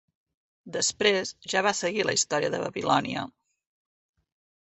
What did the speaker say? Després, ja va seguir la història de Babilònia.